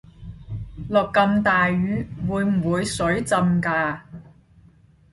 落咁大雨會唔會水浸架